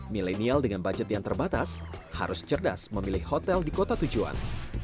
milenial dengan budget yang terbatas harus cerdas memilih hotel di kota tujuan